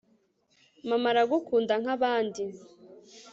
mama aragukunda nkabandi